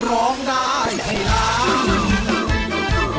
ร้องได้ให้ล้าน